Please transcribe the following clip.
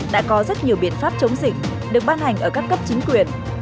đã có rất nhiều biện pháp chống dịch được ban hành ở các cấp chính quyền